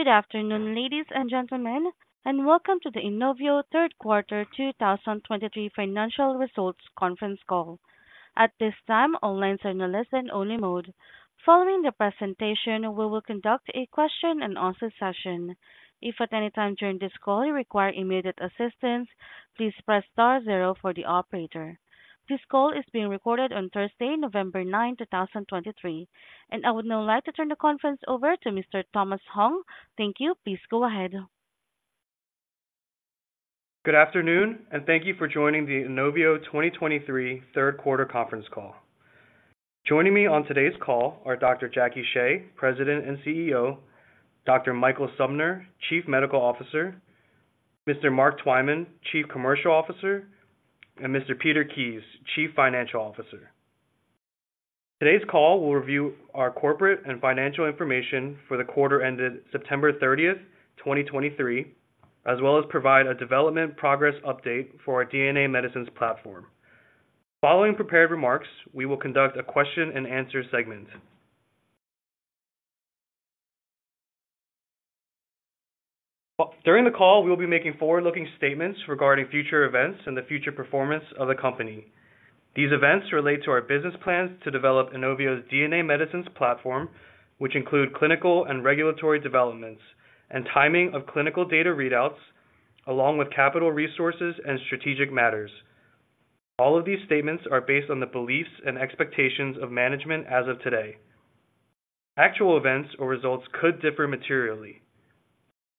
Good afternoon, ladies and gentlemen, and welcome to the INOVIO Third Quarter 2023 Financial Results Conference Call. At this time, all lines are in a listen-only mode. Following the presentation, we will conduct a question and answer session. If at any time during this call you require immediate assistance, please press star zero for the operator. This call is being recorded on Thursday, November 9, 2023, and I would now like to turn the conference over to Mr. Thomas Hong. Thank you. Please go ahead. Good afternoon, and thank you for joining the INOVIO 2023 third quarter conference call. Joining me on today's call are Dr. Jackie Shea, President and CEO, Dr. Michael Sumner, Chief Medical Officer, Mr. Mark Twyman, Chief Commercial Officer, and Mr. Peter Kies, Chief Financial Officer. Today's call will review our corporate and financial information for the quarter ended September 30, 2023, as well as provide a development progress update for our DNA medicines platform. Following prepared remarks, we will conduct a question and answer segment. Well, during the call, we'll be making forward-looking statements regarding future events and the future performance of the company. These events relate to our business plans to develop INOVIO's DNA medicines platform, which include clinical and regulatory developments and timing of clinical data readouts, along with capital resources and strategic matters. All of these statements are based on the beliefs and expectations of management as of today. Actual events or results could differ materially.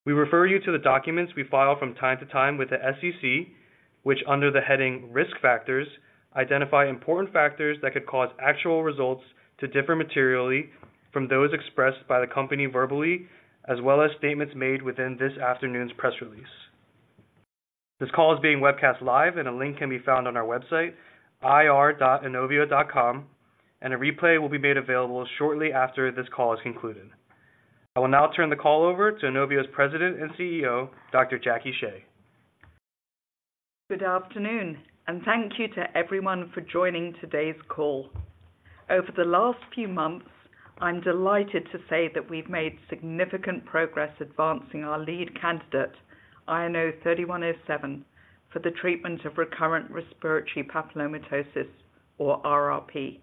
We refer you to the documents we file from time to time with the SEC, which, under the heading Risk Factors, identify important factors that could cause actual results to differ materially from those expressed by the company verbally, as well as statements made within this afternoon's press release. This call is being webcast live, and a link can be found on our website, ir.inovio.com, and a replay will be made available shortly after this call is concluded. I will now turn the call over to INOVIO's President and CEO, Dr. Jackie Shea. Good afternoon, and thank you to everyone for joining today's call. Over the last few months, I'm delighted to say that we've made significant progress advancing our lead candidate, INO-3107, for the treatment of recurrent respiratory papillomatosis, or RRP.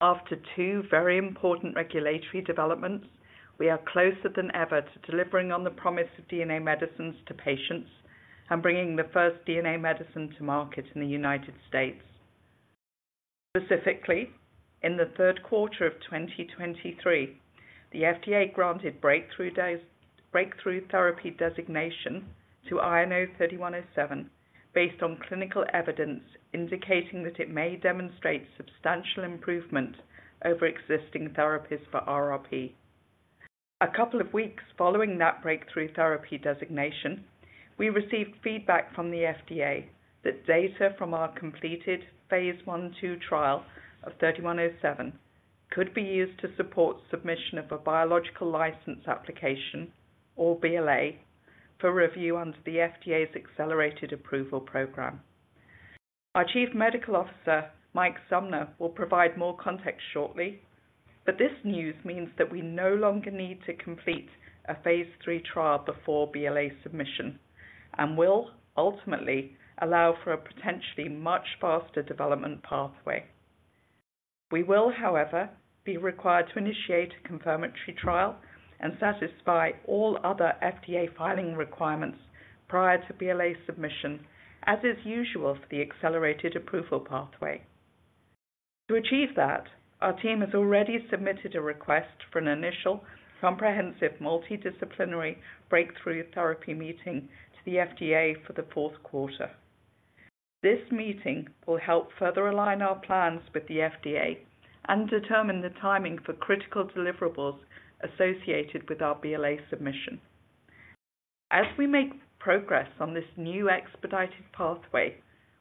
After two very important regulatory developments, we are closer than ever to delivering on the promise of DNA medicines to patients and bringing the first DNA medicine to market in the United States. Specifically, in the third quarter of 2023, the FDA granted Breakthrough Therapy Designation to INO-3107, based on clinical evidence indicating that it may demonstrate substantial improvement over existing therapies for RRP. A couple of weeks following that Breakthrough Therapy Designation, we received feedback from the FDA that data from our completed phase I/II trial of INO-3107 could be used to support submission of a Biologics License Application, or BLA, for review under the FDA's Accelerated Approval Program. Our Chief Medical Officer, Mike Sumner, will provide more context shortly, but this news means that we no longer need to complete a phase III trial before BLA submission and will ultimately allow for a potentially much faster development pathway. We will, however, be required to initiate a confirmatory trial and satisfy all other FDA filing requirements prior to BLA submission, as is usual for the accelerated approval pathway. To achieve that, our team has already submitted a request for an initial comprehensive multidisciplinary breakthrough therapy meeting to the FDA for the fourth quarter. This meeting will help further align our plans with the FDA and determine the timing for critical deliverables associated with our BLA submission. As we make progress on this new expedited pathway,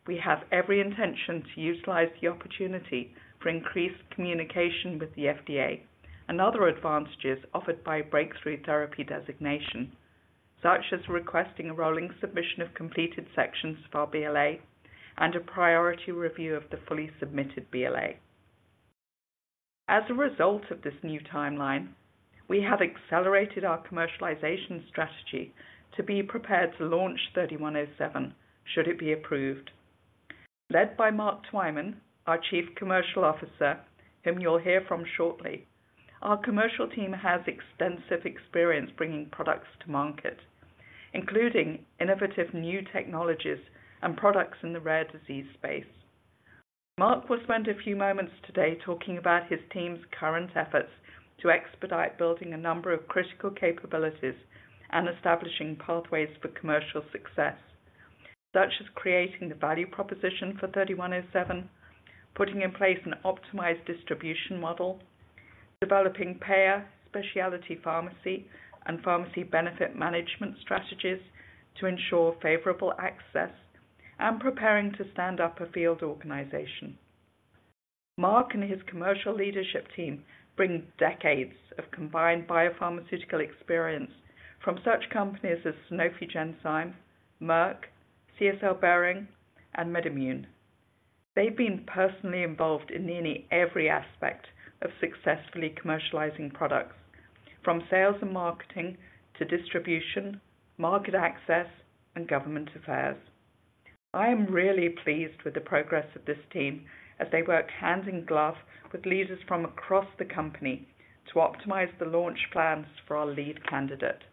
we have every intention to utilize the opportunity for increased communication with the FDA and other advantages offered by Breakthrough Therapy Designation, such as requesting a rolling submission of completed sections for our BLA and a priority review of the fully submitted BLA. As a result of this new timeline, we have accelerated our commercialization strategy to be prepared to launch INO-3107, should it be approved. Led by Mark Twyman, our Chief Commercial Officer, whom you'll hear from shortly, our commercial team has extensive experience bringing products to market, including innovative new technologies and products in the rare disease space. Mark will spend a few moments today talking about his team's current efforts to expedite building a number of critical capabilities and establishing pathways for commercial success, such as creating the value proposition for INO-3107, putting in place an optimized distribution model, developing payer, specialty pharmacy, and pharmacy benefit management strategies to ensure favorable access, and preparing to stand up a field organization. Mark and his commercial leadership team bring decades of combined biopharmaceutical experience from such companies as Sanofi Genzyme, Merck, CSL Behring, and MedImmune. They've been personally involved in nearly every aspect of successfully commercializing products, from sales and marketing to distribution, market access, and government affairs. I am really pleased with the progress of this team as they work hand in glove with leaders from across the company to optimize the launch plans for our lead candidate.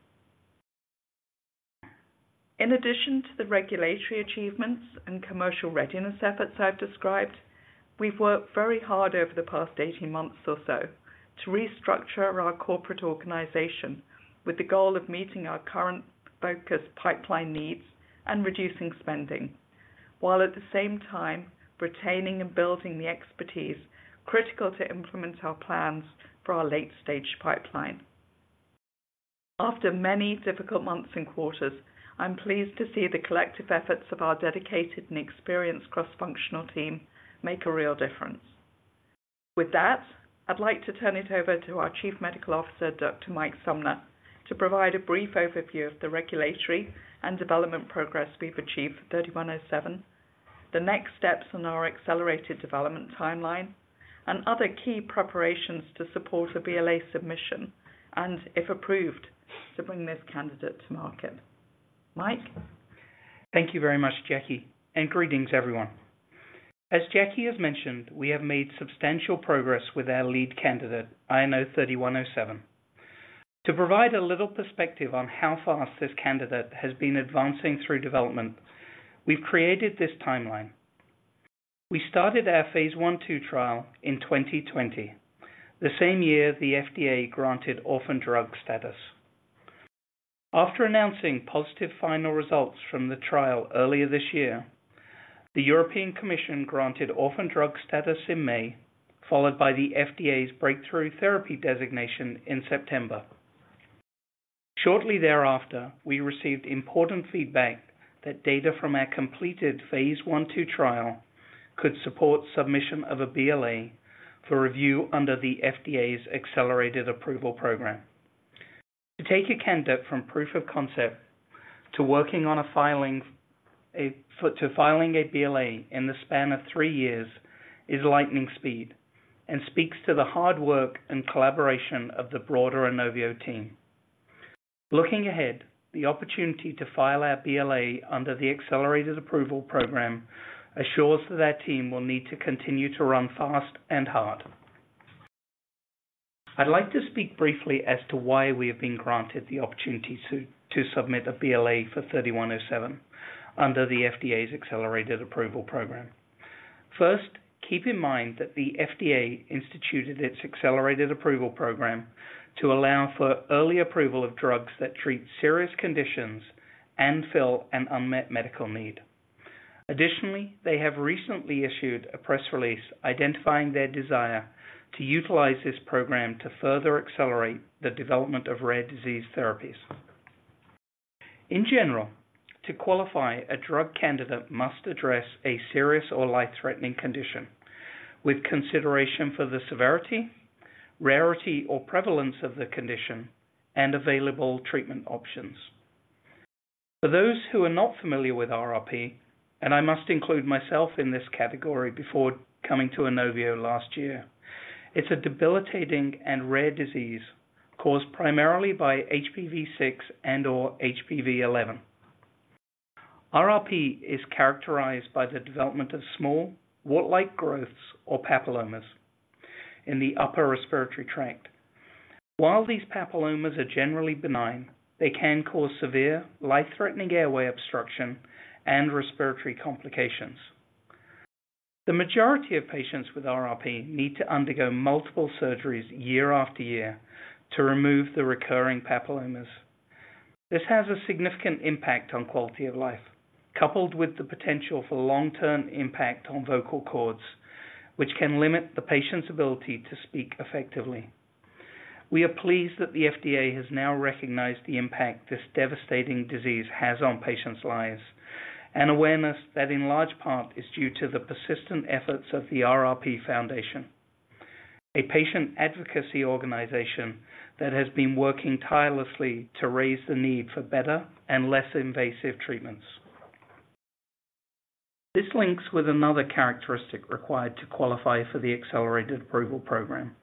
In addition to the regulatory achievements and commercial readiness efforts I've described, we've worked very hard over the past 18 months or so to restructure our corporate organization, with the goal of meeting our current focused pipeline needs and reducing spending, while at the same time retaining and building the expertise critical to implement our plans for our late-stage pipeline. After many difficult months and quarters, I'm pleased to see the collective efforts of our dedicated and experienced cross-functional team make a real difference. With that, I'd like to turn it over to our Chief Medical Officer, Dr. Mike Sumner, to provide a brief overview of the regulatory and development progress we've achieved for INO-3107, the next steps on our accelerated development timeline, and other key preparations to support a BLA submission, and if approved, to bring this candidate to market. Mike? Thank you very much, Jackie, and greetings everyone. As Jackie has mentioned, we have made substantial progress with our lead candidate, INO-3107. To provide a little perspective on how fast this candidate has been advancing through development, we've created this timeline. We started our phase I/II trial in 2020, the same year the FDA granted orphan drug status. After announcing positive final results from the trial earlier this year, the European Commission granted orphan drug status in May, followed by the FDA's Breakthrough Therapy Designation in September. Shortly thereafter, we received important feedback that data from our completed phase I/II trial could support submission of a BLA for review under the FDA's Accelerated Approval Program. To take a candidate from proof of concept to working on a filing to filing a BLA in the span of three years is lightning speed and speaks to the hard work and collaboration of the broader INOVIO team. Looking ahead, the opportunity to file our BLA under the Accelerated Approval Program assures that our team will need to continue to run fast and hard. I'd like to speak briefly as to why we have been granted the opportunity to submit a BLA for INO-3107 under the FDA's Accelerated Approval Program. First, keep in mind that the FDA instituted its Accelerated Approval Program to allow for early approval of drugs that treat serious conditions and fill an unmet medical need. Additionally, they have recently issued a press release identifying their desire to utilize this program to further accelerate the development of rare disease therapies. In general, to qualify, a drug candidate must address a serious or life-threatening condition with consideration for the severity, rarity, or prevalence of the condition and available treatment options. For those who are not familiar with RRP, and I must include myself in this category before coming to INOVIO last year, it's a debilitating and rare disease caused primarily by HPV 6 and/or HPV 11. RRP is characterized by the development of small, wart-like growths or papillomas in the upper respiratory tract. While these papillomas are generally benign, they can cause severe, life-threatening airway obstruction and respiratory complications. The majority of patients with RRP need to undergo multiple surgeries year after year to remove the recurring papillomas. This has a significant impact on quality of life, coupled with the potential for long-term impact on vocal cords, which can limit the patient's ability to speak effectively. We are pleased that the FDA has now recognized the impact this devastating disease has on patients' lives, an awareness that in large part is due to the persistent efforts of the RRP Foundation, a patient advocacy organization that has been working tirelessly to raise the need for better and less invasive treatments. This links with another characteristic required to qualify for the Accelerated Approval Program,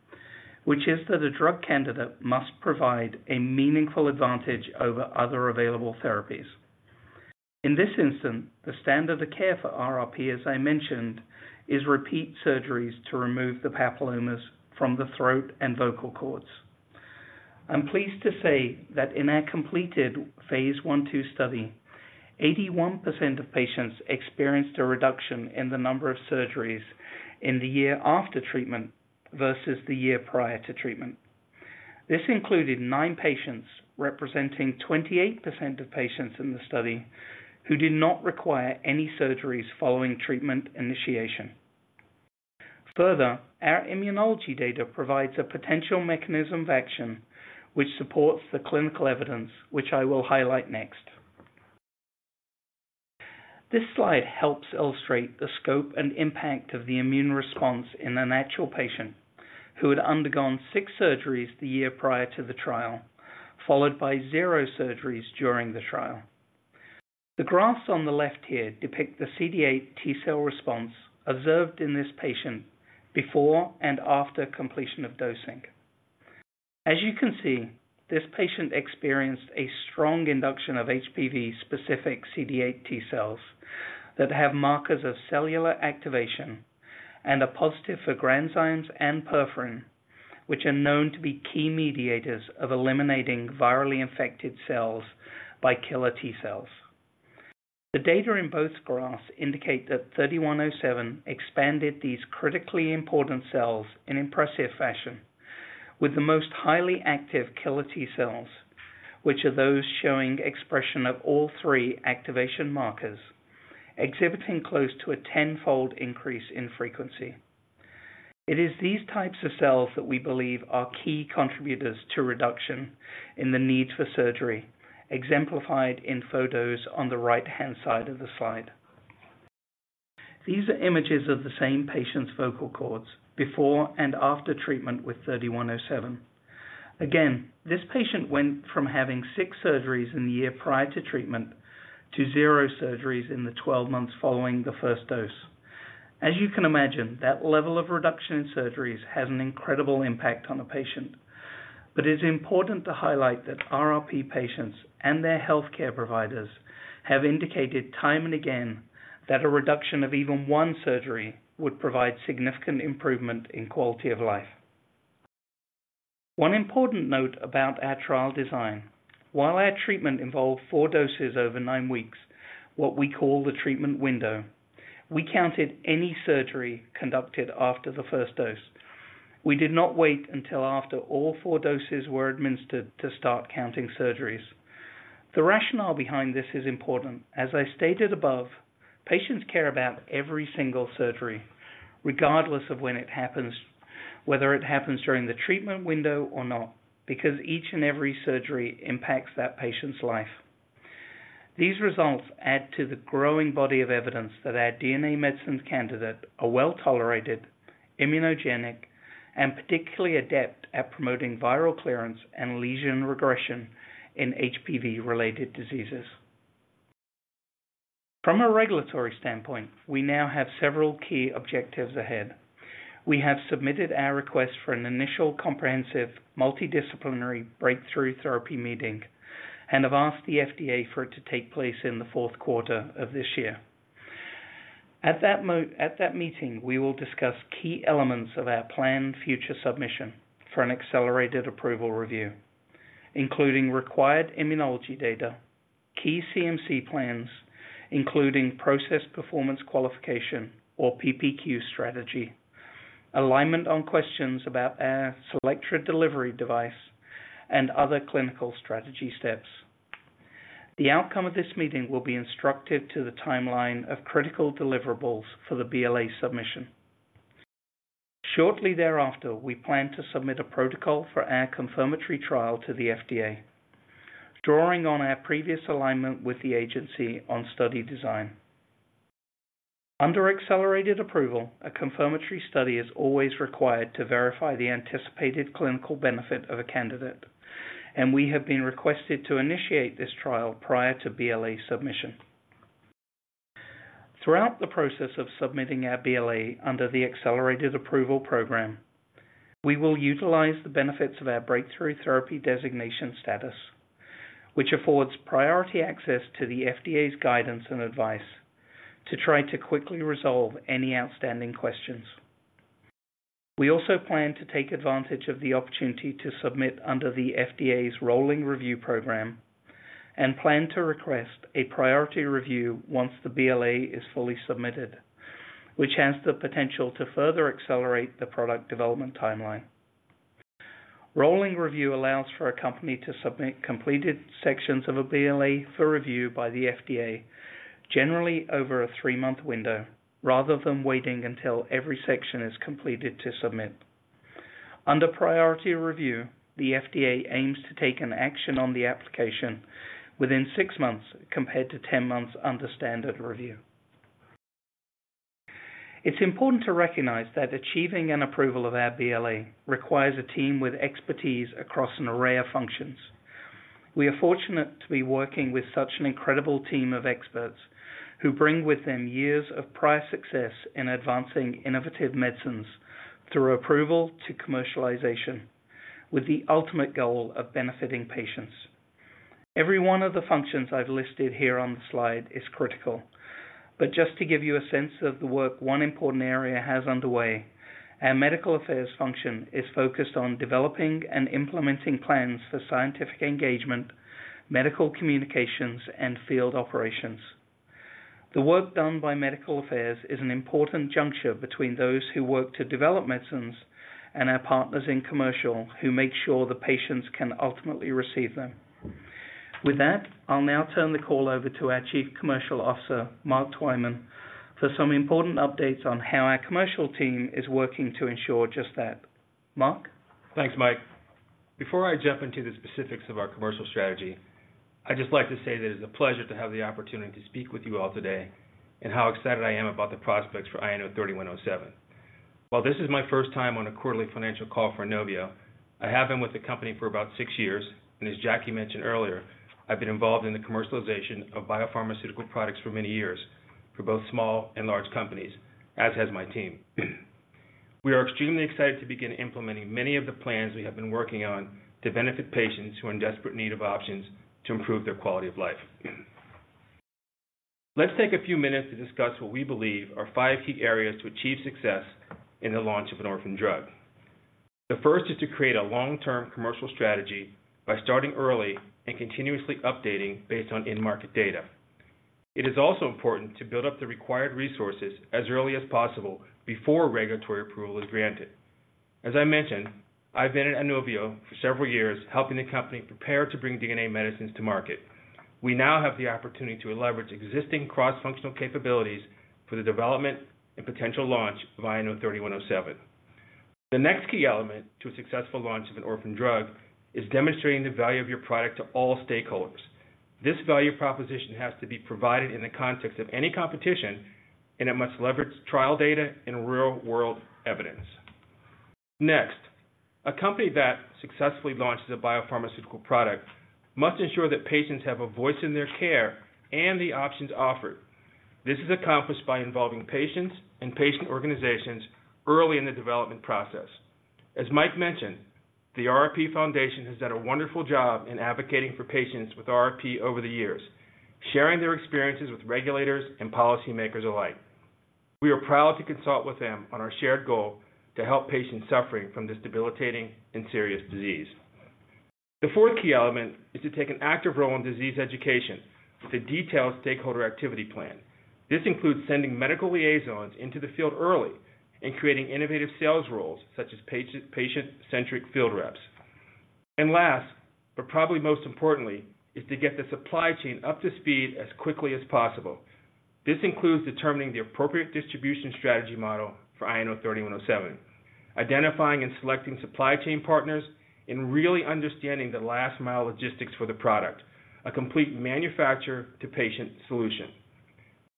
which is that a drug candidate must provide a meaningful advantage over other available therapies. In this instance, the standard of care for RRP, as I mentioned, is repeat surgeries to remove the papillomas from the throat and vocal cords. I'm pleased to say that in our completed phase I/II study, 81% of patients experienced a reduction in the number of surgeries in the year after treatment versus the year prior to treatment. This included nine patients, representing 28% of patients in the study, who did not require any surgeries following treatment initiation. Further, our immunology data provides a potential mechanism of action, which supports the clinical evidence, which I will highlight next. This slide helps illustrate the scope and impact of the immune response in an actual patient... who had undergone six surgeries the year prior to the trial, followed by zero surgeries during the trial. The graphs on the left here depict the CD8 T-cell response observed in this patient before and after completion of dosing. As you can see, this patient experienced a strong induction of HPV specific CD8 T-cells that have markers of cellular activation and are positive for granzymes and perforin, which are known to be key mediators of eliminating virally infected cells by killer T cells. The data in both graphs indicate that INO-3107 expanded these critically important cells in impressive fashion, with the most highly active killer T cells, which are those showing expression of all three activation markers, exhibiting close to a tenfold increase in frequency. It is these types of cells that we believe are key contributors to reduction in the need for surgery, exemplified in photos on the right-hand side of the slide. These are images of the same patient's vocal cords before and after treatment with INO-3107. Again, this patient went from having six surgeries in the year prior to treatment to zero surgeries in the 12 months following the first dose. As you can imagine, that level of reduction in surgeries has an incredible impact on a patient. But it's important to highlight that RRP patients and their healthcare providers have indicated time and again, that a reduction of even one surgery would provide significant improvement in quality of life. One important note about our trial design. While our treatment involved four doses over nine weeks, what we call the treatment window, we counted any surgery conducted after the first dose. We did not wait until after all four doses were administered to start counting surgeries. The rationale behind this is important. As I stated above, patients care about every single surgery, regardless of when it happens, whether it happens during the treatment window or not, because each and every surgery impacts that patient's life. These results add to the growing body of evidence that our DNA medicines candidate are well-tolerated, immunogenic, and particularly adept at promoting viral clearance and lesion regression in HPV related diseases. From a regulatory standpoint, we now have several key objectives ahead. We have submitted our request for an initial comprehensive, multidisciplinary breakthrough therapy meeting and have asked the FDA for it to take place in the fourth quarter of this year. At that meeting, we will discuss key elements of our planned future submission for an accelerated approval review, including required immunology data, key CMC plans, including process performance qualification or PPQ strategy, alignment on questions about our CELLECTRA delivery device, and other clinical strategy steps. The outcome of this meeting will be instructive to the timeline of critical deliverables for the BLA submission. Shortly thereafter, we plan to submit a protocol for our confirmatory trial to the FDA, drawing on our previous alignment with the agency on study design. Under Accelerated Approval, a confirmatory study is always required to verify the anticipated clinical benefit of a candidate, and we have been requested to initiate this trial prior to BLA submission. Throughout the process of submitting our BLA under the Accelerated Approval Program, we will utilize the benefits of our Breakthrough Therapy Designation status, which affords priority access to the FDA's guidance and advice to try to quickly resolve any outstanding questions. We also plan to take advantage of the opportunity to submit under the FDA's Rolling Review Program and plan to request a Priority Review once the BLA is fully submitted, which has the potential to further accelerate the product development timeline. Rolling Review allows for a company to submit completed sections of a BLA for review by the FDA, generally over a three-month window, rather than waiting until every section is completed to submit. Under priority review, the FDA aims to take an action on the application within 6 months, compared to 10 months under standard review. It's important to recognize that achieving an approval of our BLA requires a team with expertise across an array of functions. We are fortunate to be working with such an incredible team of experts who bring with them years of prior success in advancing innovative medicines through approval to commercialization, with the ultimate goal of benefiting patients. Every one of the functions I've listed here on the slide is critical, but just to give you a sense of the work one important area has underway, our medical affairs function is focused on developing and implementing plans for scientific engagement, medical communications, and field operations. The work done by Medical Affairs is an important juncture between those who work to develop medicines and our partners in commercial, who make sure the patients can ultimately receive them. With that, I'll now turn the call over to our Chief Commercial Officer, Mark Twyman, for some important updates on how our commercial team is working to ensure just that. Mark? Thanks, Mike. Before I jump into the specifics of our commercial strategy, I'd just like to say that it is a pleasure to have the opportunity to speak with you all today, and how excited I am about the prospects for INO-3107. While this is my first time on a quarterly financial call for INOVIO, I have been with the company for about six years, and as Jackie mentioned earlier, I've been involved in the commercialization of biopharmaceutical products for many years, for both small and large companies, as has my team. We are extremely excited to begin implementing many of the plans we have been working on to benefit patients who are in desperate need of options to improve their quality of life. Let's take a few minutes to discuss what we believe are five key areas to achieve success in the launch of an orphan drug. The first is to create a long-term commercial strategy by starting early and continuously updating based on in-market data. It is also important to build up the required resources as early as possible before regulatory approval is granted. As I mentioned, I've been at INOVIO for several years, helping the company prepare to bring DNA medicines to market. We now have the opportunity to leverage existing cross-functional capabilities for the development and potential launch of INO-3107. The next key element to a successful launch of an orphan drug is demonstrating the value of your product to all stakeholders. This value proposition has to be provided in the context of any competition, and it must leverage trial data and real-world evidence. Next, a company that successfully launches a biopharmaceutical product must ensure that patients have a voice in their care and the options offered. This is accomplished by involving patients and patient organizations early in the development process. As Mike mentioned, the RRP Foundation has done a wonderful job in advocating for patients with RRP over the years, sharing their experiences with regulators and policymakers alike. We are proud to consult with them on our shared goal to help patients suffering from this debilitating and serious disease. The fourth key element is to take an active role in disease education, with a detailed stakeholder activity plan. This includes sending medical liaisons into the field early and creating innovative sales roles, such as patient, patient-centric field reps. And last, but probably most importantly, is to get the supply chain up to speed as quickly as possible. This includes determining the appropriate distribution strategy model for INO-3107, identifying and selecting supply chain partners, and really understanding the last-mile logistics for the product, a complete manufacturer-to-patient solution.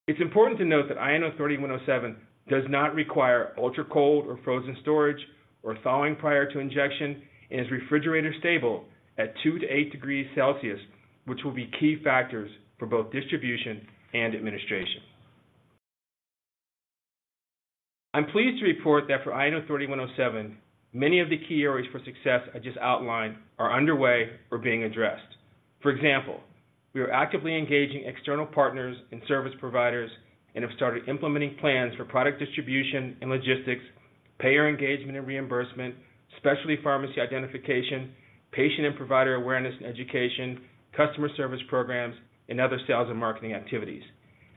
It's important to note that INO-3107 does not require ultra-cold or frozen storage, or thawing prior to injection, and is refrigerator stable at 2-8 degrees Celsius, which will be key factors for both distribution and administration. I'm pleased to report that for INO-3107, many of the key areas for success I just outlined are underway or being addressed. For example, we are actively engaging external partners and service providers and have started implementing plans for product distribution and logistics, payer engagement and reimbursement, specialty pharmacy identification, patient and provider awareness and education, customer service programs, and other sales and marketing activities.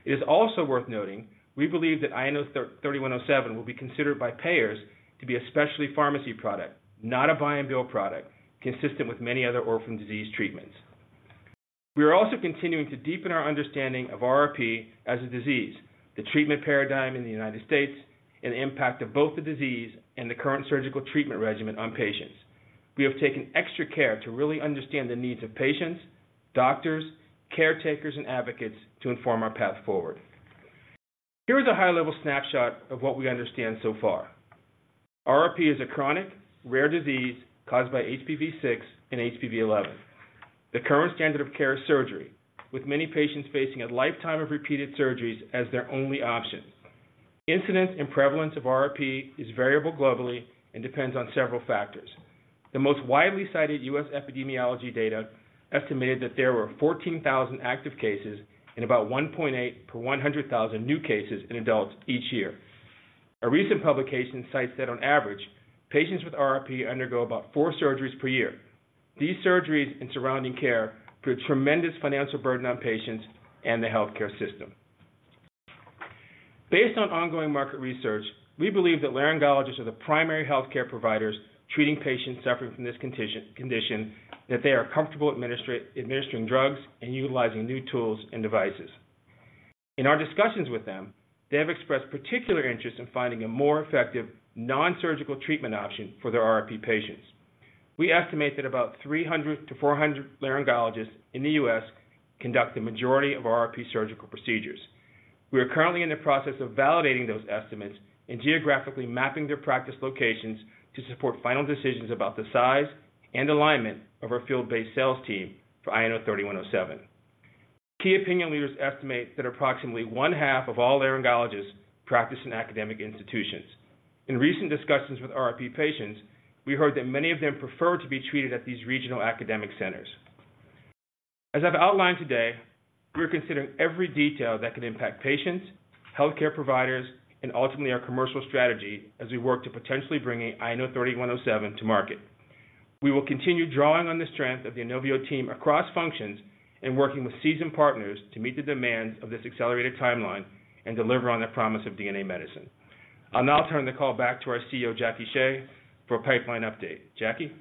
It is also worth noting, we believe that INO-3107 will be considered by payers to be a specialty pharmacy product, not a buy and bill product, consistent with many other orphan disease treatments. We are also continuing to deepen our understanding of RRP as a disease, the treatment paradigm in the United States, and the impact of both the disease and the current surgical treatment regimen on patients. We have taken extra care to really understand the needs of patients, doctors, caretakers, and advocates to inform our path forward. Here is a high-level snapshot of what we understand so far. RRP is a chronic, rare disease caused by HPV 6 and HPV 11. The current standard of care is surgery, with many patients facing a lifetime of repeated surgeries as their only option. Incidence and prevalence of RRP is variable globally and depends on several factors. The most widely cited U.S. epidemiology data estimated that there were 14,000 active cases and about 1.8 per 100,000 new cases in adults each year. A recent publication cites that on average, patients with RRP undergo about four surgeries per year. These surgeries and surrounding care put a tremendous financial burden on patients and the healthcare system. Based on ongoing market research, we believe that laryngologists are the primary healthcare providers treating patients suffering from this condition, that they are comfortable administering drugs and utilizing new tools and devices. In our discussions with them, they have expressed particular interest in finding a more effective non-surgical treatment option for their RRP patients. We estimate that about 300-400 laryngologists in the U.S. conduct the majority of RRP surgical procedures. We are currently in the process of validating those estimates and geographically mapping their practice locations to support final decisions about the size and alignment of our field-based sales team for INO-3107. Key opinion leaders estimate that approximately one half of all laryngologists practice in academic institutions. In recent discussions with RRP patients, we heard that many of them prefer to be treated at these regional academic centers. As I've outlined today, we are considering every detail that could impact patients, healthcare providers, and ultimately, our commercial strategy as we work to potentially bring INO-3107 to market. We will continue drawing on the strength of the INOVIO team across functions and working with seasoned partners to meet the demands of this accelerated timeline and deliver on the promise of DNA medicine. I'll now turn the call back to our CEO, Jackie Shea, for a pipeline update. Jackie?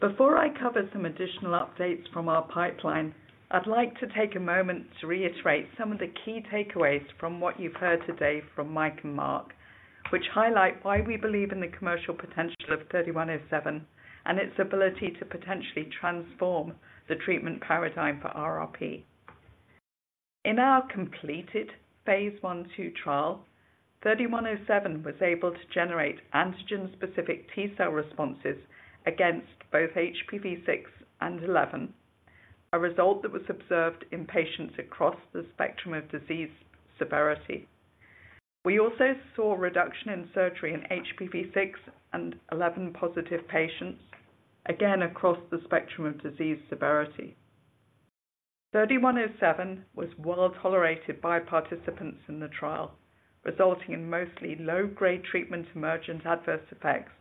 Before I cover some additional updates from our pipeline, I'd like to take a moment to reiterate some of the key takeaways from what you've heard today from Mike and Mark, which highlight why we believe in the commercial potential of INO-3107 and its ability to potentially transform the treatment paradigm for RRP. In our completed phase I/II trial, INO-3107 was able to generate antigen-specific T cell responses against both HPV 6 and HPV 11, a result that was observed in patients across the spectrum of disease severity. We also saw a reduction in surgery in HPV 6 and HPV 11-positive patients, again, across the spectrum of disease severity. INO-3107 was well tolerated by participants in the trial, resulting in mostly low-grade treatment-emergent adverse effects,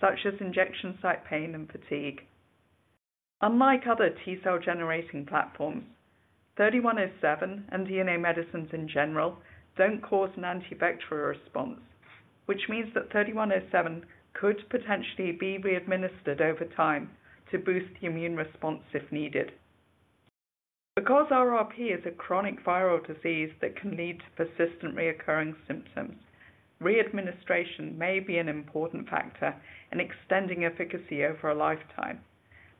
such as injection site pain and fatigue. Unlike other T cell-generating platforms, INO-3107, and DNA medicines in general, don't cause an antibacterial response, which means that INO-3107 could potentially be readministered over time to boost the immune response if needed. Because RRP is a chronic viral disease that can lead to persistent recurring symptoms, readministration may be an important factor in extending efficacy over a lifetime,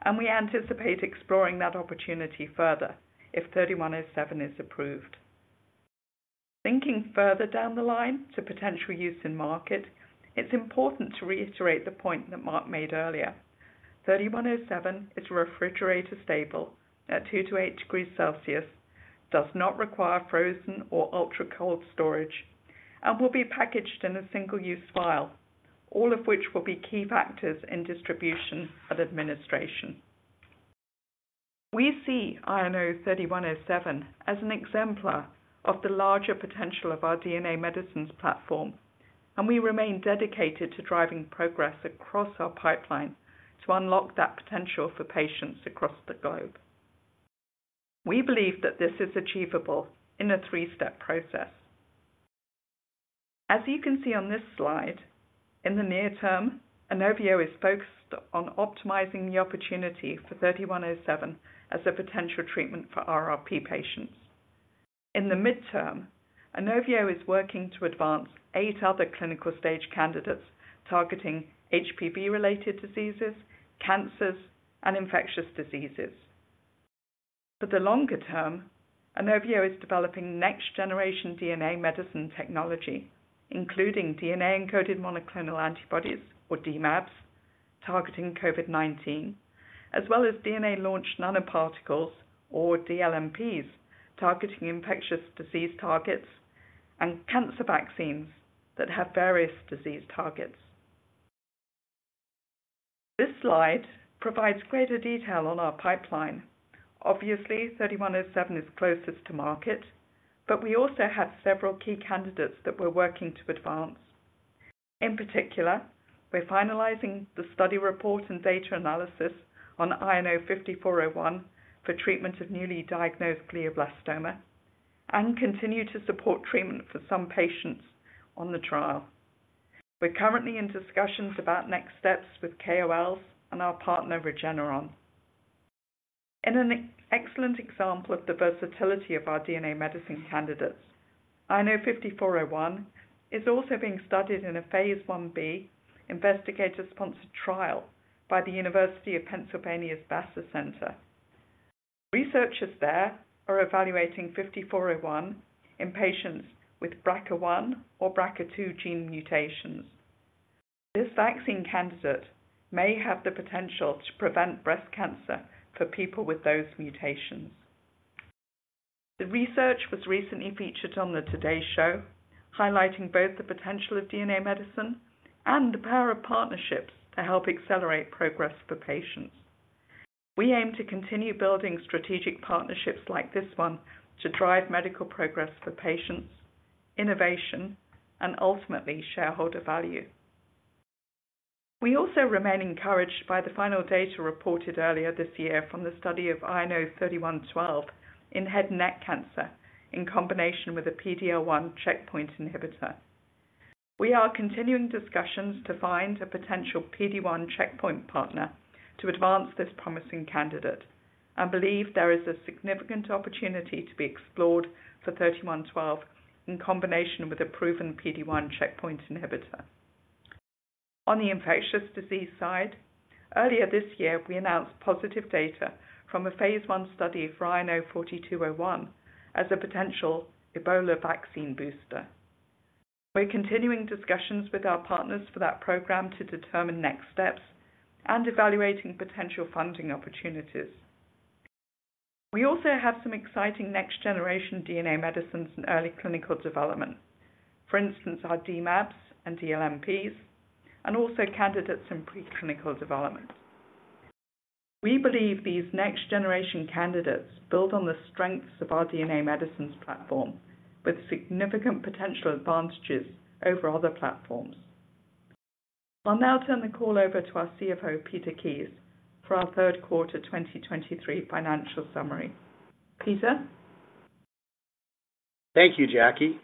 and we anticipate exploring that opportunity further if INO-3107 is approved. Thinking further down the line to potential use in market, it's important to reiterate the point that Mark made earlier. INO-3107 is refrigerator stable at 2-8 degrees Celsius, does not require frozen or ultra-cold storage, and will be packaged in a single-use vial, all of which will be key factors in distribution and administration. We see INO-3107 as an exemplar of the larger potential of our DNA medicines platform, and we remain dedicated to driving progress across our pipeline to unlock that potential for patients across the globe. We believe that this is achievable in a three-step process. As you can see on this slide, in the near term, INOVIO is focused on optimizing the opportunity for INO-3107 as a potential treatment for RRP patients. In the midterm, INOVIO is working to advance eight other clinical stage candidates, targeting HPV related diseases, cancers, and infectious diseases. For the longer term, INOVIO is developing next-generation DNA medicine technology, including DNA-encoded monoclonal antibodies, or DMAbs, targeting COVID-19, as well as DNA-launched nanoparticles, or DLNPs, targeting infectious disease targets and cancer vaccines that have various disease targets. This slide provides greater detail on our pipeline. Obviously, INO-3107 is closest to market, but we also have several key candidates that we're working to advance. In particular, we're finalizing the study report and data analysis on INO-5401 for treatment of newly diagnosed glioblastoma and continue to support treatment for some patients on the trial. We're currently in discussions about next steps with KOLs and our partner, Regeneron. In an excellent example of the versatility of our DNA medicine candidates, INO-5401 is also being studied in a phase I-B investigator-sponsored trial by the University of Pennsylvania's Basser Center. Researchers there are evaluating INO-5401 in patients with BRCA1 or BRCA2 gene mutations. This vaccine candidate may have the potential to prevent breast cancer for people with those mutations. The research was recently featured on The Today Show, highlighting both the potential of DNA medicine and the power of partnerships to help accelerate progress for patients. We aim to continue building strategic partnerships like this one to drive medical progress for patients, innovation, and ultimately, shareholder value. We also remain encouraged by the final data reported earlier this year from the study of INO-3112 in head and neck cancer, in combination with a PD-L1 checkpoint inhibitor. We are continuing discussions to find a potential PD-1 checkpoint partner to advance this promising candidate and believe there is a significant opportunity to be explored for INO-3112 in combination with a proven PD-1 checkpoint inhibitor. On the infectious disease side, earlier this year, we announced positive data from a phase I study of INO-4201 as a potential Ebola vaccine booster. We're continuing discussions with our partners for that program to determine next steps and evaluating potential funding opportunities. We also have some exciting next-generation DNA medicines in early clinical development. For instance, our DMAbs and DLNPs, and also candidates in preclinical development. We believe these next-generation candidates build on the strengths of our DNA medicines platform, with significant potential advantages over other platforms. I'll now turn the call over to our CFO, Peter Kies, for our third quarter 2023 financial summary. Peter? Thank you, Jackie.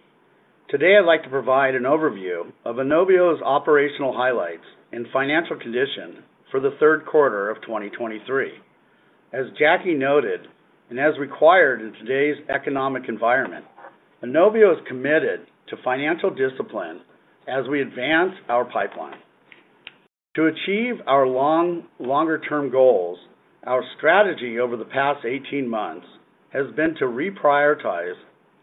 Today, I'd like to provide an overview of INOVIO's operational highlights and financial condition for the third quarter of 2023. As Jackie noted, and as required in today's economic environment, INOVIO is committed to financial discipline as we advance our pipeline. To achieve our longer term goals, our strategy over the past 18 months has been to reprioritize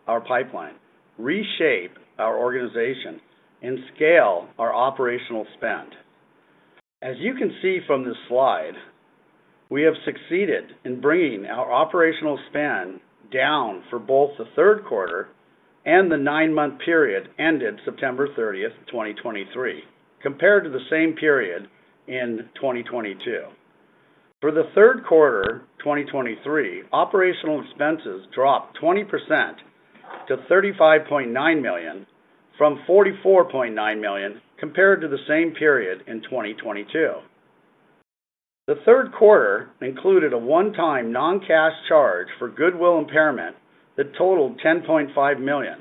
our pipeline, reshape our organization, and scale our operational spend. As you can see from this slide, we have succeeded in bringing our operational spend down for both the third quarter and the nine-month period ended September 30, 2023, compared to the same period in 2022. For the third quarter 2023, operational expenses dropped 20% to $35.9 million, from $44.9 million compared to the same period in 2022. The third quarter included a one-time non-cash charge for goodwill impairment that totaled $10.5 million.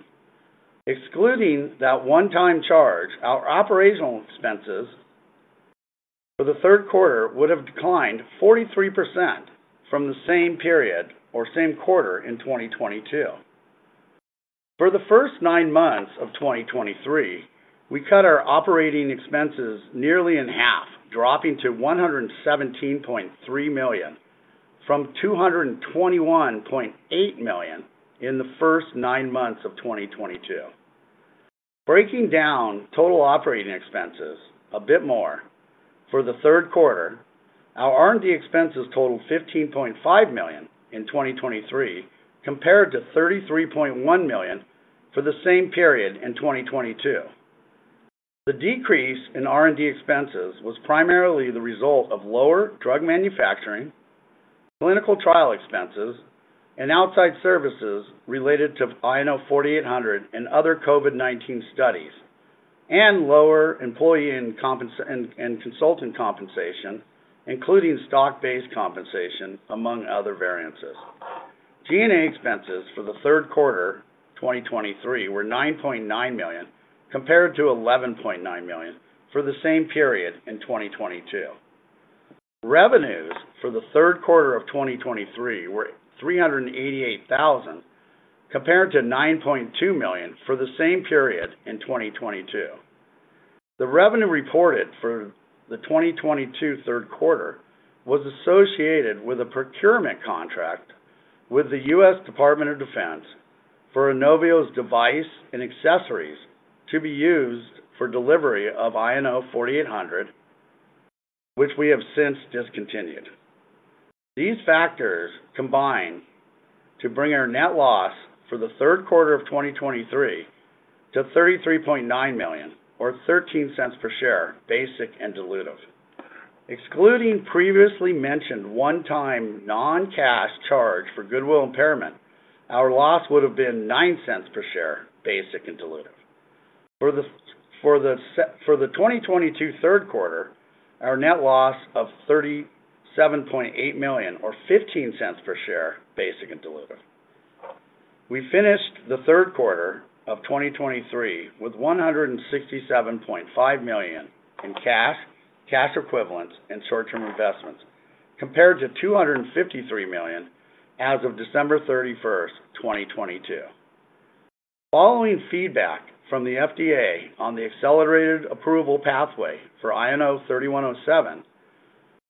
Excluding that one-time charge, our operational expenses for the third quarter would have declined 43% from the same period or same quarter in 2022. For the first nine months of 2023, we cut our operating expenses nearly in half, dropping to $117.3 million from $221.8 million in the first nine months of 2022. Breaking down total operating expenses a bit more, for the third quarter, our R&D expenses totaled $15.5 million in 2023, compared to $33.1 million for the same period in 2022. The decrease in R&D expenses was primarily the result of lower drug manufacturing, clinical trial expenses, and outside services related to INO-4800 and other COVID-19 studies, and lower employee and consultant compensation, including stock-based compensation, among other variances. G&A expenses for the third quarter 2023 were $9.9 million, compared to $11.9 million for the same period in 2022. Revenues for the third quarter of 2023 were $388,000, compared to $9.2 million for the same period in 2022. The revenue reported for the 2022 third quarter was associated with a procurement contract with the U.S. Department of Defense for INOVIO's device and accessories to be used for delivery of INO-4800, which we have since discontinued. These factors combined to bring our net loss for the third quarter of 2023 to $33.9 million, or $0.13 per share, basic and dilutive. Excluding previously mentioned one-time non-cash charge for goodwill impairment, our loss would have been $0.09 per share, basic and dilutive. For the 2022 third quarter, our net loss of $37.8 million or $0.15 per share, basic and dilutive. We finished the third quarter of 2023 with $167.5 million in cash, cash equivalents, and short-term investments, compared to $253 million as of December 31, 2022. Following feedback from the FDA on the accelerated approval pathway for INO-3107,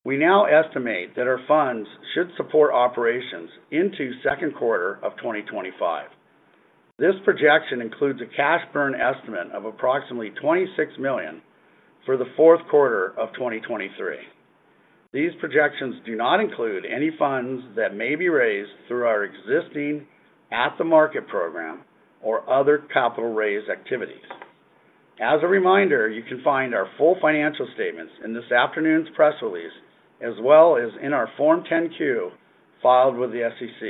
we now estimate that our funds should support operations into second quarter of 2025. This projection includes a cash burn estimate of approximately $26 million for the fourth quarter of 2023. These projections do not include any funds that may be raised through our existing at-the-market program or other capital raise activities. As a reminder, you can find our full financial statements in this afternoon's press release, as well as in our Form 10-Q filed with the SEC.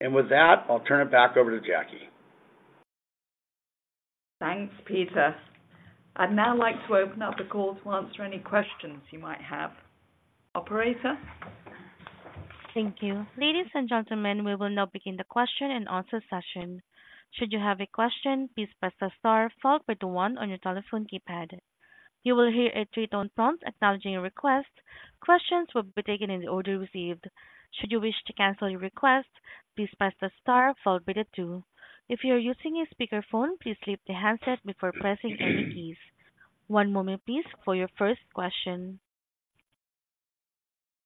And with that, I'll turn it back over to Jackie. Thanks, Peter. I'd now like to open up the call to answer any questions you might have. Operator? Thank you. Ladies and gentlemen, we will now begin the question and answer session. Should you have a question, please press the star followed by the one on your telephone keypad. You will hear a three-tone prompt acknowledging your request. Questions will be taken in the order received. Should you wish to cancel your request, please press the star followed by the two. If you are using a speakerphone, please leave the handset before pressing any keys. One moment, please, for your first question.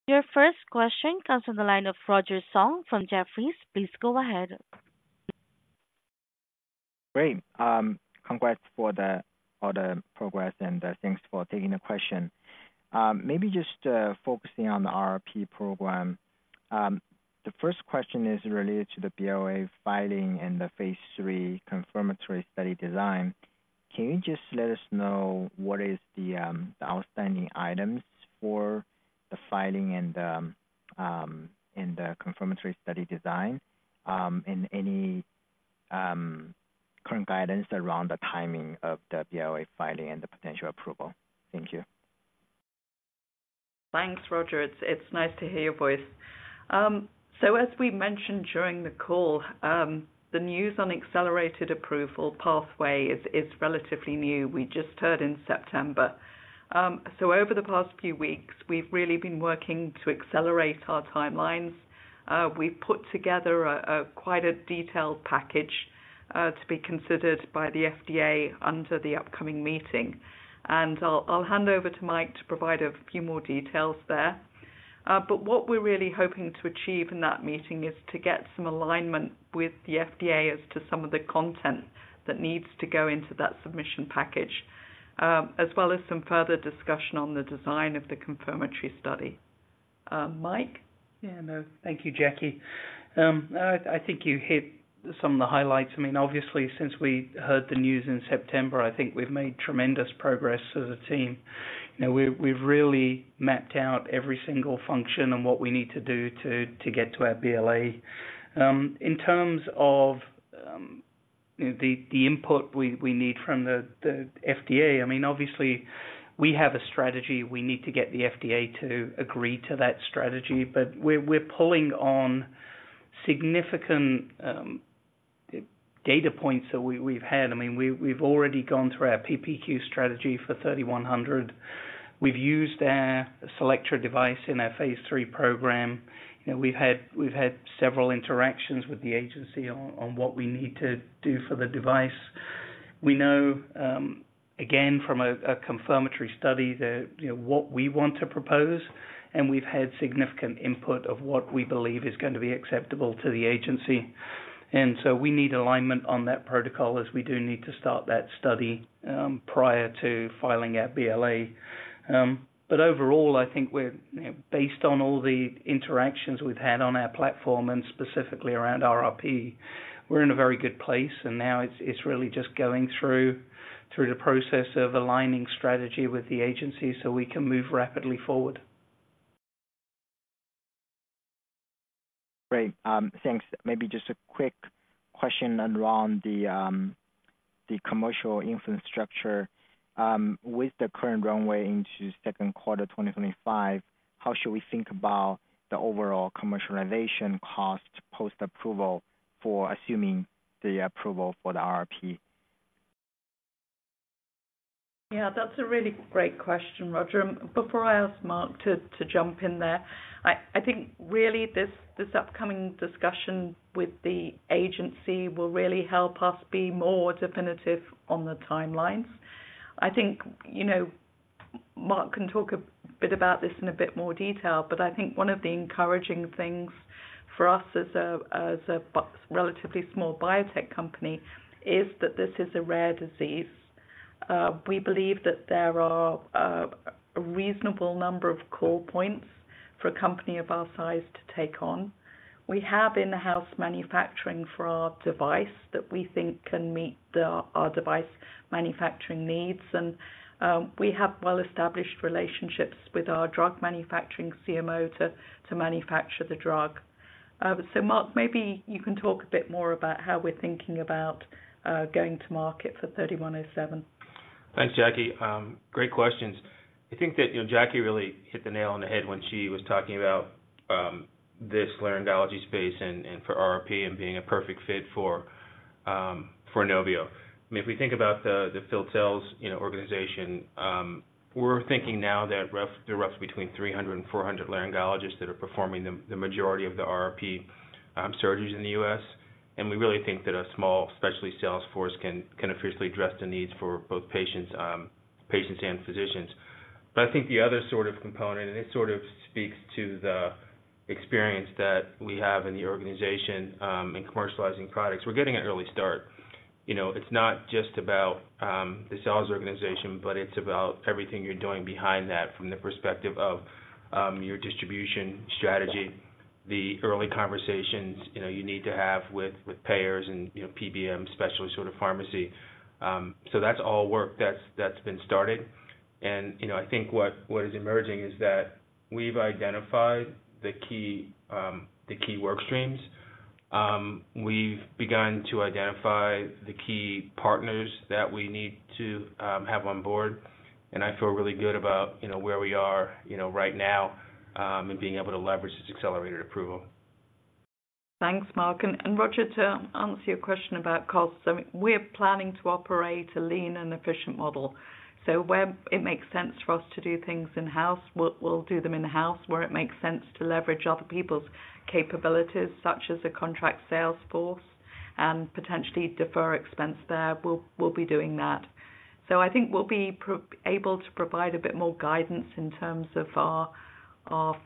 Your first question comes from the line of Roger Song from Jefferies. Please go ahead. Great. Congrats for all the progress and thanks for taking the question. Maybe just focusing on the RRP program. The first question is related to the BLA filing and the phase III confirmatory study design. Can you just let us know what is the outstanding items for the filing and in the confirmatory study design and any current guidance around the timing of the BLA filing and the potential approval? Thank you. Thanks, Roger. It's nice to hear your voice. So as we mentioned during the call, the news on accelerated approval pathway is relatively new. We just heard in September. So over the past few weeks, we've really been working to accelerate our timelines. We've put together a quite detailed package to be considered by the FDA under the upcoming meeting. And I'll hand over to Mike to provide a few more details there. But what we're really hoping to achieve in that meeting is to get some alignment with the FDA as to some of the content that needs to go into that submission package, as well as some further discussion on the design of the confirmatory study. Mike? Yeah, no. Thank you, Jackie. I think you hit some of the highlights. I mean, obviously, since we heard the news in September, I think we've made tremendous progress as a team. You know, we've really mapped out every single function and what we need to do to get to our BLA. In terms of, you know, the input we need from the FDA, I mean, obviously, we have a strategy. We need to get the FDA to agree to that strategy, but we're pulling on significant data points that we've had. I mean, we've already gone through our PPQ strategy for INO-3107. We've used our CELLECTRA device in our phase III program, and we've had several interactions with the agency on what we need to do for the device. We know, again, from a confirmatory study that, you know, what we want to propose, and we've had significant input of what we believe is going to be acceptable to the agency. And so we need alignment on that protocol as we do need to start that study, prior to filing our BLA. But overall, I think we're, you know, based on all the interactions we've had on our platform, and specifically around RRP, we're in a very good place, and now it's really just going through the process of aligning strategy with the agency so we can move rapidly forward. Great. Thanks. Maybe just a quick question around the commercial infrastructure. With the current runway into second quarter of 2025, how should we think about the overall commercialization cost post-approval for assuming the approval for the RRP? Yeah, that's a really great question, Roger, and before I ask Mark to, to jump in there, I, I think really, this, this upcoming discussion with the agency will really help us be more definitive on the timelines. I think, you know, Mark can talk a bit about this in a bit more detail, but I think one of the encouraging things for us as a, as a relatively small biotech company is that this is a rare disease. We believe that there are a reasonable number of call points for a company of our size to take on. We have in-house manufacturing for our device, that we think can meet our device manufacturing needs. And, we have well-established relationships with our drug manufacturing CMO to, to manufacture the drug. So, Mark, maybe you can talk a bit more about how we're thinking about going to market for INO-3107. Thanks, Jackie. Great questions. I think that, you know, Jackie really hit the nail on the head when she was talking about this laryngology space and for RRP and being a perfect fit for INOVIO. I mean, if we think about the field sales, you know, organization, we're thinking now that there are roughly between 300-400 laryngologists that are performing the majority of the RRP surgeries in the U.S. And we really think that a small specialty sales force can officially address the needs for both patients and physicians. But I think the other sort of component, and it sort of speaks to the experience that we have in the organization in commercializing products, we're getting an early start. You know, it's not just about the sales organization, but it's about everything you're doing behind that from the perspective of your distribution strategy, the early conversations, you know, you need to have with payers and, you know, PBM, specialist sort of pharmacy. So that's all work that's been started. And, you know, I think what is emerging is that we've identified the key work streams. We've begun to identify the key partners that we need to have on board, and I feel really good about, you know, where we are, you know, right now, in being able to leverage this accelerated approval. Thanks, Mark. And Roger, to answer your question about costs, so we're planning to operate a lean and efficient model. So where it makes sense for us to do things in-house, we'll do them in-house. Where it makes sense to leverage other people's capabilities, such as a contract sales force, and potentially defer expense there, we'll be doing that. So I think we'll be probably able to provide a bit more guidance in terms of our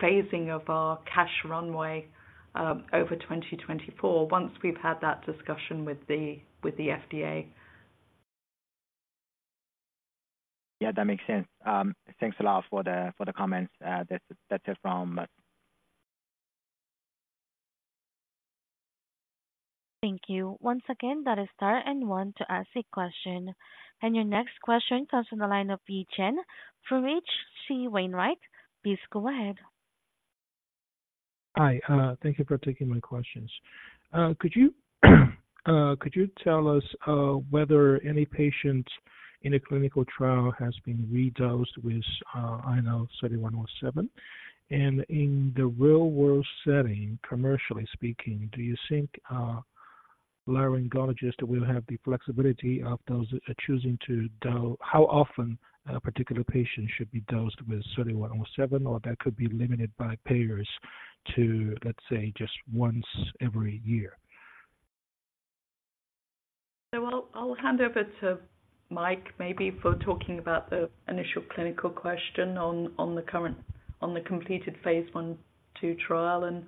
phasing of our cash runway over 2024, once we've had that discussion with the FDA. Yeah, that makes sense. Thanks a lot for the, for the comments. That's, that's it from us. Thank you. Once again, that is star and one to ask a question. Your next question comes from the line of Yi Chen from H.C. Wainwright. Please go ahead. Hi, thank you for taking my questions. Could you tell us whether any patient in a clinical trial has been redosed with INO-3107? And in the real-world setting, commercially speaking, do you think laryngologists will have the flexibility of those choosing to dose how often a particular patient should be dosed with INO-3107, or that could be limited by payers to, let's say, just once every year? So I'll hand over to Mike, maybe for talking about the initial clinical question on the current, completed phase I/II trial, and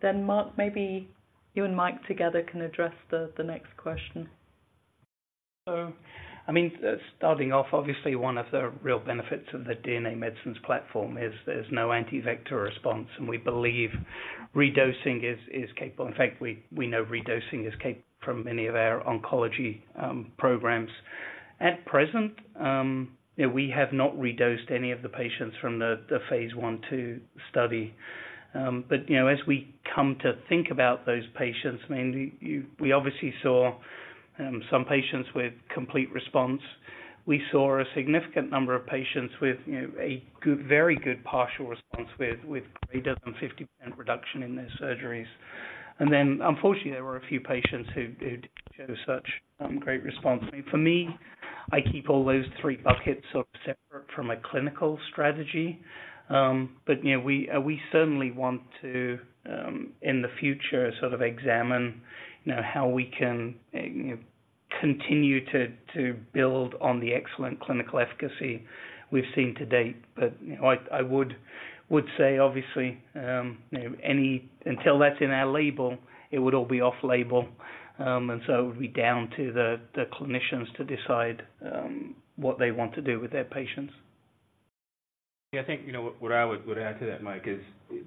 then Mark, maybe you and Mike together can address the next question. So I mean, starting off, obviously, one of the real benefits of the DNA medicines platform is there's no anti-vector response, and we believe redosing is capable. In fact, we know redosing is capable from many of our oncology programs. At present, we have not redosed any of the patients from the phase I/II study. But you know, as we come to think about those patients, I mean, we obviously saw some patients with complete response. We saw a significant number of patients with you know, a good, very good partial response with greater than 50% reduction in their surgeries. And then, unfortunately, there were a few patients who didn't show such great response. I mean, for me, I keep all those three buckets sort of separate from a clinical strategy. But, you know, we certainly want to, in the future, sort of examine, you know, how we can, you know, continue to build on the excellent clinical efficacy we've seen to date. But, you know, I would say, obviously, you know, any until that's in our label, it would all be off-label. And so it would be down to the clinicians to decide what they want to do with their patients. Yeah, I think, you know, what I would add to that, Mike, is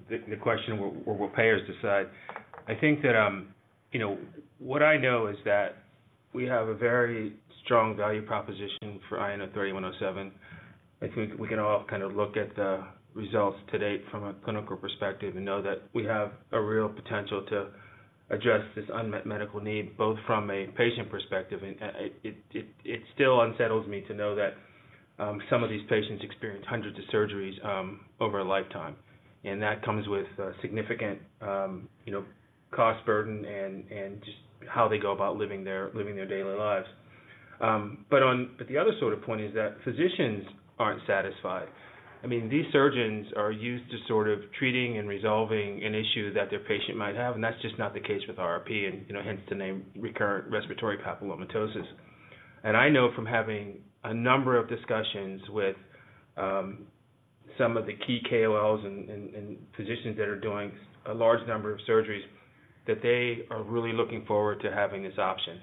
the question: will payers decide? I think that, you know, what I know is that we have a very strong value proposition for INO-3107. I think we can all kind of look at the results to date from a clinical perspective and know that we have a real potential to address this unmet medical need, both from a patient perspective, and it still unsettles me to know that some of these patients experience hundreds of surgeries over a lifetime, and that comes with significant, you know, cost burden and just how they go about living their daily lives. But the other sort of point is that physicians aren't satisfied. I mean, these surgeons are used to sort of treating and resolving an issue that their patient might have, and that's just not the case with RRP, and, you know, hence the name recurrent respiratory papillomatosis. And I know from having a number of discussions with some of the key KOLs and physicians that are doing a large number of surgeries, that they are really looking forward to having this option.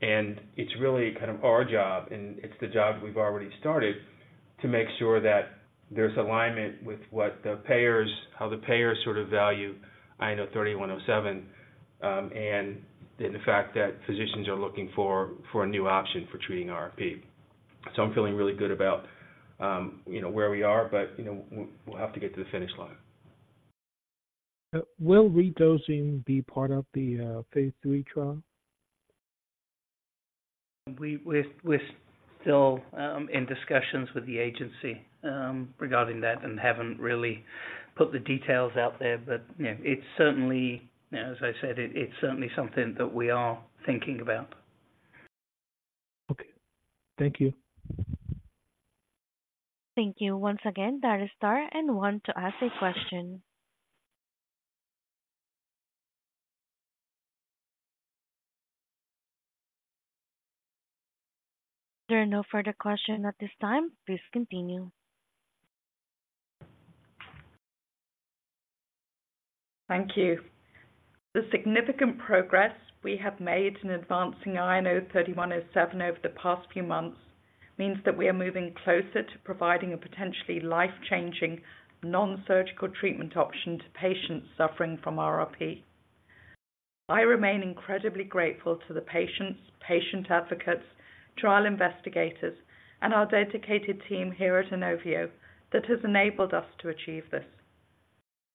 And it's really kind of our job, and it's the job we've already started, to make sure that there's alignment with what the payers, how the payers sort of value INO-3107, and the fact that physicians are looking for a new option for treating RRP. So I'm feeling really good about, you know, where we are, but, you know, we, we'll have to get to the finish line. Will redosing be part of the phase III trial? We're still in discussions with the agency regarding that and haven't really put the details out there, but, you know, it's certainly, you know, as I said, it's certainly something that we are thinking about. Okay. Thank you. Thank you. Once again, that is star and one to ask a question. There are no further questions at this time. Please continue. Thank you. The significant progress we have made in advancing INO-3107 over the past few months means that we are moving closer to providing a potentially life-changing, non-surgical treatment option to patients suffering from RRP. I remain incredibly grateful to the patients, patient advocates, trial investigators, and our dedicated team here at Inovio that has enabled us to achieve this.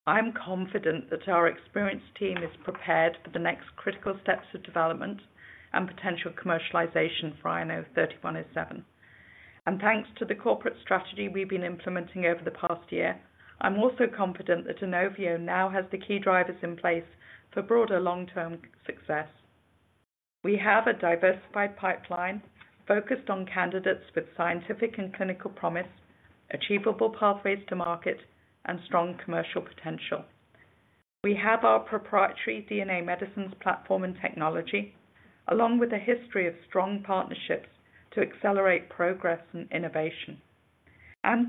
I'm confident that our experienced team is prepared for the next critical steps of development and potential commercialization for INO-3107. Thanks to the corporate strategy we've been implementing over the past year, I'm also confident that Inovio now has the key drivers in place for broader long-term success. We have a diversified pipeline focused on candidates with scientific and clinical promise, achievable pathways to market, and strong commercial potential. We have our proprietary DNA medicines platform and technology, along with a history of strong partnerships to accelerate progress and innovation.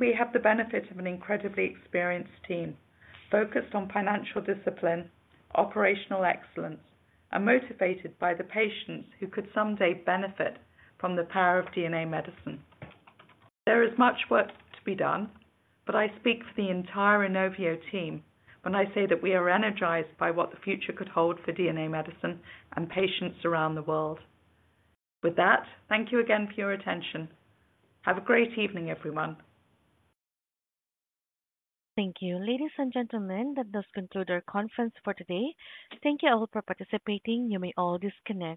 We have the benefit of an incredibly experienced team, focused on financial discipline, operational excellence, and motivated by the patients who could someday benefit from the power of DNA medicine. There is much work to be done, but I speak for the entire INOVIO team when I say that we are energized by what the future could hold for DNA medicine and patients around the world. With that, thank you again for your attention. Have a great evening, everyone. Thank you. Ladies and gentlemen, that does conclude our conference for today. Thank you all for participating. You may all disconnect.